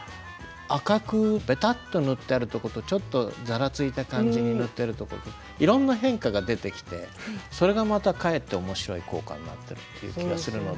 赤くべたっと塗ってあるとことちょっとざらついた感じに塗ってあるとこといろんな変化が出てきてそれがまたかえって面白い効果になってるという気がするので。